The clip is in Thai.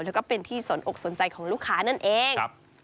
แล้วก็เป็นที่สนอกสนใจของลูกค้านั่นเอง